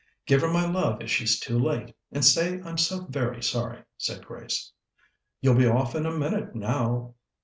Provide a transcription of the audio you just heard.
"Give her my love if she's too late, and say I'm so very sorry," said Grace. "You'll be off in a minute now."